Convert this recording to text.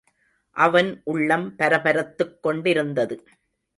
அவன் உள்ளம் பரபரத்துக் கொண்டிருந்தது.